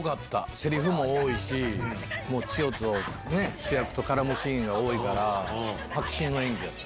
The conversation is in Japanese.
せりふも多いし、もう千代とね、主役と絡むシーンが多いから、迫真の演技やった。